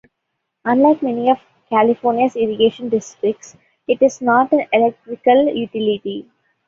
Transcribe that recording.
Unlike many of California's irrigation districts, it is not an electrical utility.